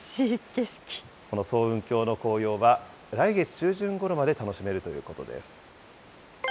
この層雲峡の紅葉は、来月中旬ごろまで楽しめるということです。